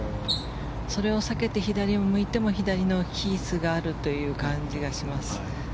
それを避けて左を向いても左のヒースがあるという感じがします。